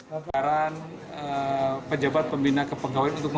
pembaran pejabat pembina ke pegawai untuk membiarkan